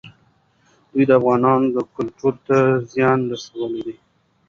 دوی د افغانانو کلتور ته زیان رسولی دی.